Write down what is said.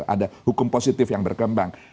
ada hukum positif yang berkembang